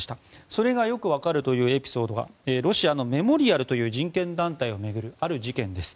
それがよくわかるというエピソードがロシアのメモリアルという人権団体を巡るある事件です。